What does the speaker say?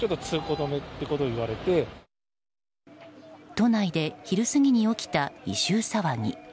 都内で昼過ぎに起きた異臭騒ぎ。